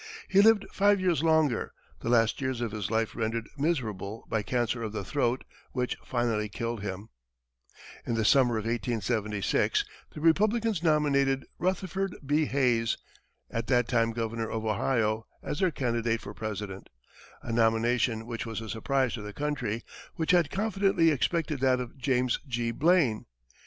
He lived five years longer, the last years of his life rendered miserable by cancer of the throat, which finally killed him. In the summer of 1876, the Republicans nominated Rutherford B. Hayes, at that time Governor of Ohio, as their candidate for President a nomination which was a surprise to the country, which had confidently expected that of James G. Blaine.